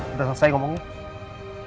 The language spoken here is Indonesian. udah selesai ngomongnya